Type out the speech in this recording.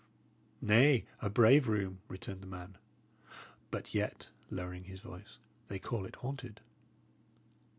"Nay, a brave room," returned the man. "But yet" lowering his voice "they call it haunted."